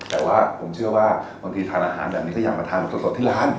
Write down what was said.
แต่ว่าผมเชื่อว่าบางทีทานอาหารแบบนี้ถ้าอยากมาทานสดที่ร้าน